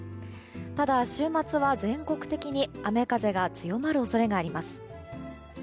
ただ、週末は全国的に雨風が強まる恐れがあります。